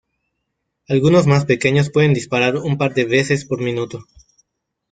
Algunos más pequeños pueden disparar un par de veces por minuto.